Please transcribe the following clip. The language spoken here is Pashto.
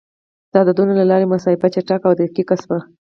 د عددونو له لارې محاسبه چټکه او دقیق شوه.